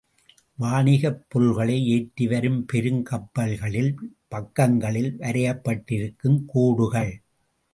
வாணிகப் பொருள்களை ஏற்றிவரும் பெருங் கப்பல்களின் பக்கங்களில் வரையப்பட்டிருக்கும் கோடுகள்.